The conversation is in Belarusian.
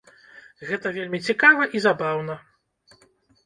Гэта вельмі цікава і забаўна.